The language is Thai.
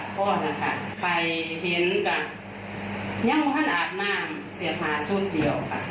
ก็แถมว่าท่านอาทนามเสียพาสูตรเดียวค่ะ